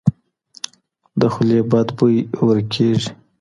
د خولې بد بوی ورک کیږي.